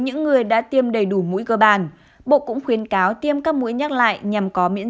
những người đã tiêm đầy đủ mũi cơ bản bộ cũng khuyến cáo tiêm các mũi nhắc lại nhằm có miễn